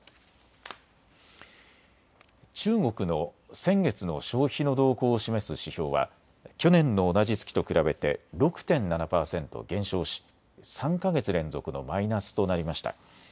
中国の先月の消費の動向を示す指標は去年の同じ月と比べて６．７％減少し３か月連続のマイナスとなりました。